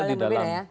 itu dalam nb ya